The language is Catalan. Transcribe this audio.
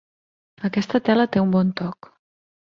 Aquesta tela té un bon toc.